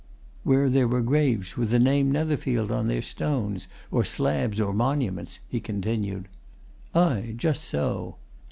"Where there were graves with the name Netherfield on their stones or slabs or monuments," he continued. "Aye just so.